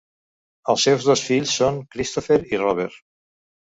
Els seus dos fills són Christopher i Robert.